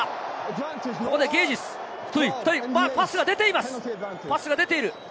ここでゲージス、１人、２人、パスが出ている。